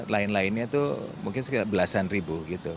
lain lainnya itu mungkin sekitar belasan ribu gitu